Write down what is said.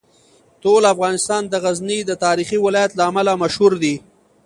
ټول افغانستان د غزني د تاریخي ولایت له امله مشهور دی.